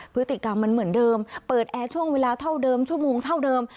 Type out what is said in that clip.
พฤติกรรมมันเหมือนเดิมเปิดแอร์ช่วงเวลาเท่าเดิมชั่วโมงเท่าเดิม